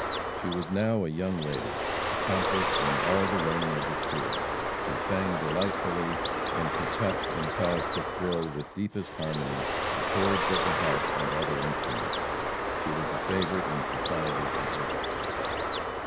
She was now a young lady, accomplished in "all the learning of the school." She sang delightfully, and could touch and cause to thrill with deepest harmony, the chords of the harp and other instruments. She was a favorite in society at once.